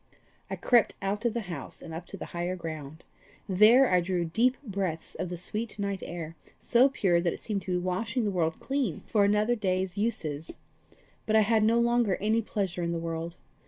I crept out of the house, and up to the higher ground. There I drew deep breaths of the sweet night air so pure that it seemed to be washing the world clean for another day's uses. But I had no longer any pleasure in the world.